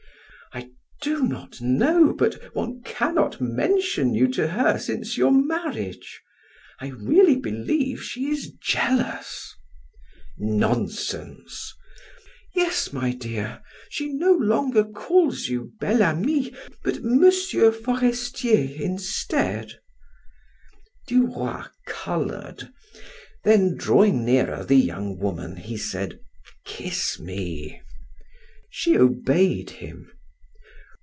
"I do not know, but one cannot mention you to her since your marriage; I really believe she is jealous." "Nonsense." "Yes, my dear, she no longer calls you Bel Ami, but M. Forestier instead." Du Roy colored, then drawing nearer the young woman, he said: "Kiss me." She obeyed him.